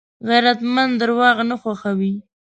غیرتمند درواغ نه خوښوي